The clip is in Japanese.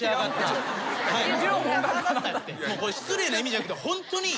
失礼な意味じゃなくてホントに。